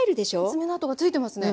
爪の痕がついてますね。